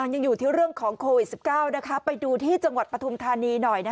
ยังอยู่ที่เรื่องของโควิด๑๙ไปดูที่จังหวัดปฐุมธานีหน่อย